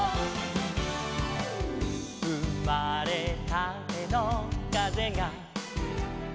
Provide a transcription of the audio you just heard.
「うまれたてのかぜが」